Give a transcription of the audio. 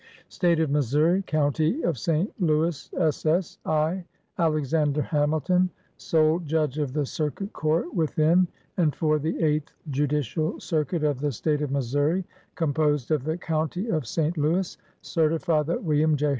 u State or Missouri, County of St. Louis, s. s. " I, Alexander Hamilton, sole Judge of the Circuit Court within and for the Eighth Judicial Circuit of the State of Missouri, (composed of the County of St. Louis,) certify that William J.